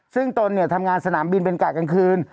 ซึ่งตนเนี่ยทำงานสนามบินเป็นกะกลางคืน